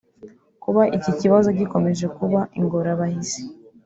Kuba iki kibazo gikomeje kuba ingorabahizi